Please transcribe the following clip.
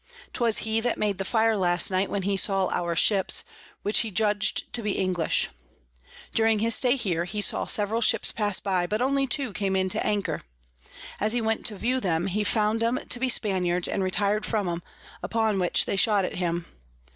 'Twas he that made the Fire last night when he saw our Ships, which he judg'd to be English. During his stay here, he saw several Ships pass by, but only two came in to anchor. As he went to view them, he found 'em to be Spaniards, and retir'd from 'em; upon which they shot at him.